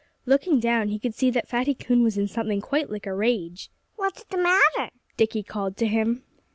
Looking down, he could see that Fatty Coon was in something quite like a rage. "What's the matter?" Dickie called to him.